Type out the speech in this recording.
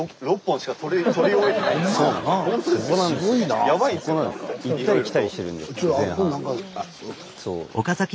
スタジオ行ったり来たりしてるんですよ前半。